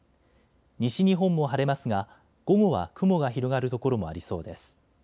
西日本も晴れますが午後は雲が広がる所もありそうです。